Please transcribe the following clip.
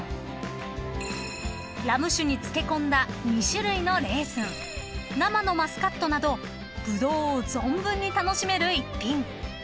［ラム酒に漬け込んだ２種類のレーズン生のマスカットなどブドウを存分に楽しめる逸品］